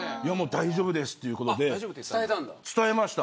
大丈夫ですということを伝えました。